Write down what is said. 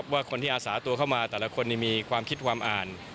ว่าคนที่อาสาตัวเข้ามาแต่ละคนมีความคิดความอ่าน